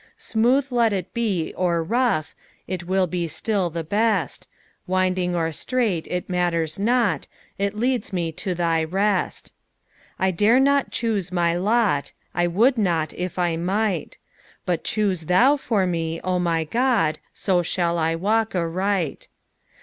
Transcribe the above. Smooth let It be or roeeb, It will be suit the beet ; Wlndliiff or etralelit, It matters not, It leudii me to utj rest. I dare not choose mv lot, I would not If 1 mlKht ; But choose Thou for me, 0 my 6od, So aball I walk aright.